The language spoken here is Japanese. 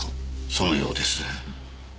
そのようです。